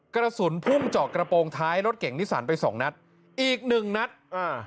กระสุนพุ่งเจาะกระโปรงท้ายรถเก่งนิสันไปสองนัดอีกหนึ่งนัดอ่า